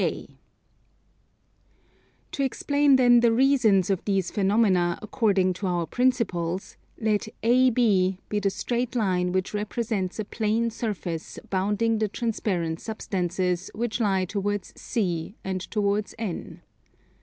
To explain then the reasons of these phenomena according to our principles, let AB be the straight line which represents a plane surface bounding the transparent substances which lie towards C and towards N.